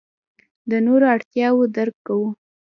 د نورو اړتیاوې درک کوو.